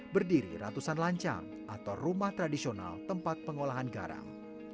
berdiri ratusan lancang atau rumah tradisional tempat pengolahan garam